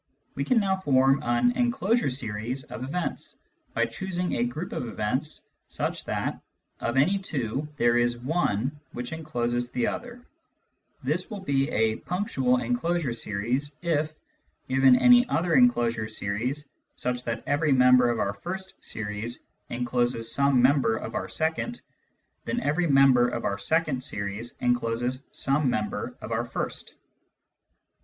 We can now form an " enclosure series " of events, by choosing a group of events such that of any two there is one which encloses the other ; this will be a " punctual enclosure series " if, given any other enclosure series such that every member of bur first series encloses some member of our second, then every member of our second series encloses some member of our first.